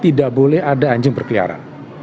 tidak boleh ada anjing berkeliaran